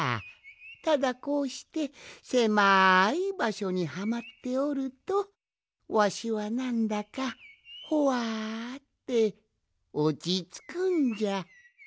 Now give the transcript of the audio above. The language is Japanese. ただこうしてせまいばしょにはまっておるとわしはなんだかほわっておちつくんじゃ。